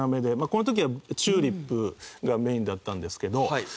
この時はチューリップがメインだったんですけど。